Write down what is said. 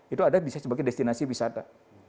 itu ada bisa sebagai destinasi wisata